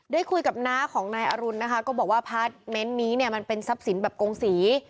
ได้คุยกับน้าของนายอรุณนะคะก็บอกว่าพาร์ทเมนต์นี้เนี่ยมันเป็นทรัพย์สินแบบกงศรี